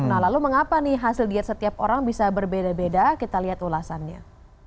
nah lalu mengapa nih hasil diet setiap orang bisa berbeda beda kita lihat ulasannya